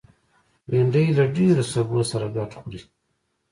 بېنډۍ له ډېرو سبو سره ګډ خوري